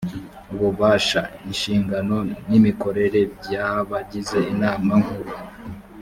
ububasha inshingano n’imikorere by’abagize inama nkuru